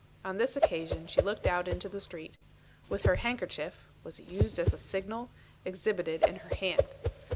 On this occasion, she looked out into the street with her handkerchief (was it used as a signal?) exhibited in her hand.